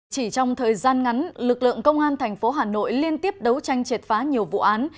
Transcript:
chỉ trong thời gian ngắn lực lượng công an thành phố hà nội liên tiếp đấu tranh triệt phá nhiều vụ án